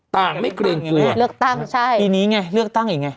ไม่เกรงชีวิตเลือกตั้งใช่ปีนี้ไงเลือกตั้งอีกไง